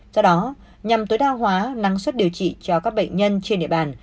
do đó nhằm tối đa hóa năng suất điều trị cho các bệnh nhân trên địa bàn